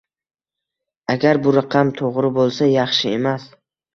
Agar bu raqam to'g'ri bo'lsa, yaxshi emas